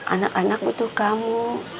anak anak butuh kamu